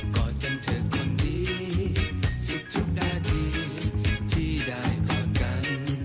กอดกันเถอะก่อนดีสุขทุกนาทีที่ได้ต่อกัน